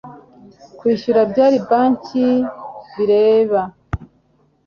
kwishyura bya banki bireba